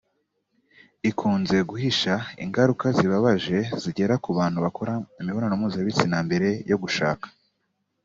ikunze guhisha ingaruka zibabaje zigera ku bantu bakora imibonano mpuzabitsina mbere yo gushaka